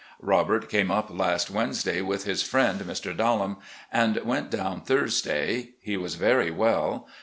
Robert came up last Wednesday with his friend Mr. Dallam, and went down Thursday. He was very well.